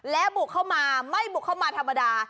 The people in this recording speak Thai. และบุกเข้ามาไม่บุกเข้ามาธรรมดา